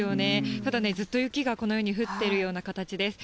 ただね、ずっと雪がこのように降っているような形です。